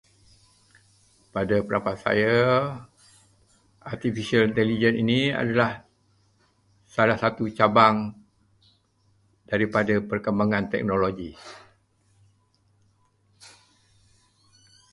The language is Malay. Pada pendapat saya, artificial intelligence ini adalah salah satu cabang daripada perkembangan teknologi.